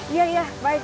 iya iya baik baik